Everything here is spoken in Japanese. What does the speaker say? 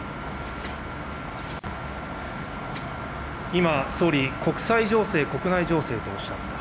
今、総理、国際情勢、国内情勢とおっしゃった。